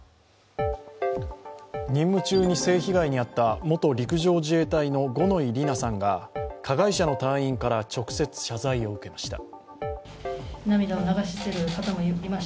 任務中に性被害に遭った元陸上自衛隊の五ノ井里奈さんが、加害者の隊員から、直接謝罪を受けました。